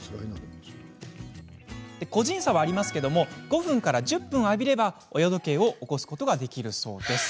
個人差はありますが５分から１０分浴びれば親時計を起こすことができるそうですよ。